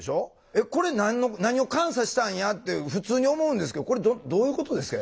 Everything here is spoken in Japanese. えっこれ何を監査したんやって普通に思うんですけどこれどういうことですか？